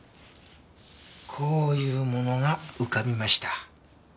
こういうものが浮かびました。